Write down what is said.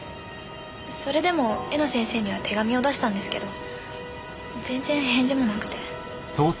それでも絵の先生には手紙を出したんですけど全然返事もなくて。